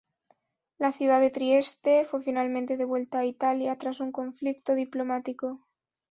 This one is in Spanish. La ciudad de Trieste fue finalmente devuelta a Italia tras un conflicto diplomático.